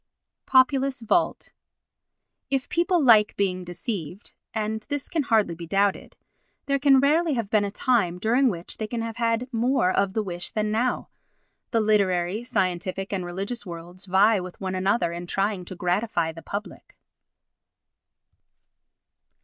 Populus Vult If people like being deceived—and this can hardly be doubted—there can rarely have been a time during which they can have had more of the wish than now. The literary, scientific and religious worlds vie with one another in trying to gratify the public.